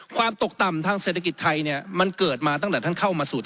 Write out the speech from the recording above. ความตกต่ำทางเศรษฐกิจไทยเนี่ยมันเกิดมาตั้งแต่ท่านเข้ามาสู่